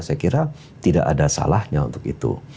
saya kira tidak ada salahnya untuk itu